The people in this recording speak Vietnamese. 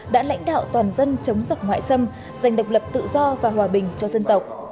đã lãnh đạo toàn dân chống giặc ngoại xâm giành độc lập tự do và hòa bình cho dân tộc